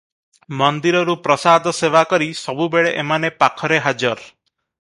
ମନ୍ଦିରରୁ ପ୍ରସାଦ ସେବା କରି ସବୁବେଳେ ଏମାନେ ପାଖରେ ହାଜର ।